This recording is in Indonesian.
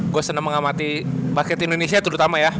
gua seneng mengamati basket indonesia terutama ya